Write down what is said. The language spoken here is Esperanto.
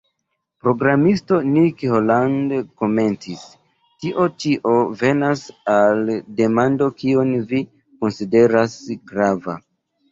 Programisto Nick Holland komentis: "Tio ĉio venas al demando kion vi konsideras grava.".